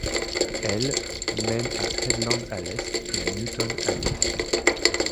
L', mène à Headland, à l'est et à Newton, à l'ouest.